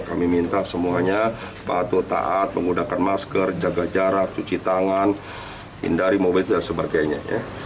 kami minta semuanya patuh taat menggunakan masker jaga jarak cuci tangan hindari mobil dan sebagainya